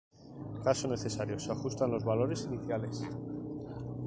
Caso necesario se ajustan los valores iniciales.